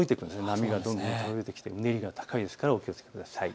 波がどんどん届いてきてうねりが高いですからお気をつけください。